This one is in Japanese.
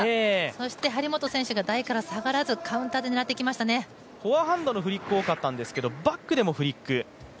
そして、張本選手が台から下がらずカウンターでフォアハンドのフリック多かったんですけどバックでもフリック。